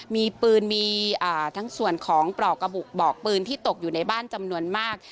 มีปืนมีทั้งส่วนของปลอกกระบุกปลอกปืนที่ตกอยู่ในบ้านจำนวนมาก